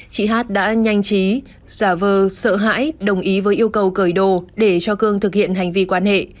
chị hát đã nhanh chí giả vờ sợ hãi đồng ý với yêu cầu cởi đồ để cho cương thực hiện hành vi quan hệ